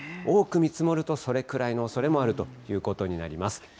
多く見積もるとそれくらいのおそれもあるということになります。